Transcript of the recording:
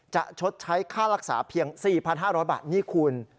ชดใช้ค่ารักษาเพียง๔๕๐๐บาทนี่คุณ